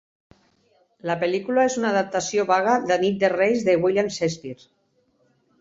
La pel·lícula és una adaptació vaga de "Nit de Reis" de William Shakespeare.